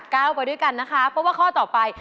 ไปด้วยกันนะคะเพราะว่าข้อต่อไป